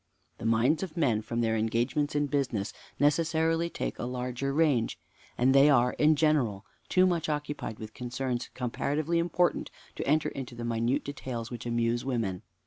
The minds of men, from their engagements in business, necessarily take a larger range; and they are, in general, too much occupied with concerns comparatively important to enter into the minute details which amuse women.